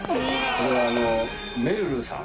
これはめるるさん。